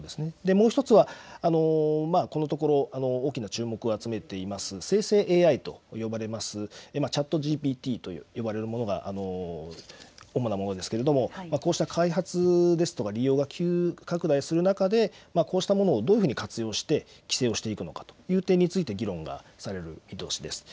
もう１つはこのところ大きな注目を集めています生成ＡＩと呼ばれますＣｈａｔＧＰＴと呼ばれるものが主なものですけれどもこうした開発ですとか利用が急拡大する中でこうしたものをどういうふうに活用して規制をしていくのかという点について議論がされる見通しです。